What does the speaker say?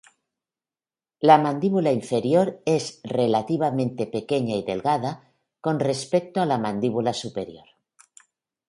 La mandíbula inferior es relativamente pequeña y delgada con respecto a la mandíbula superior.